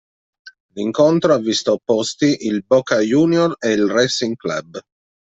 L'incontro ha visto opposti il Boca Juniors ed il Racing Club.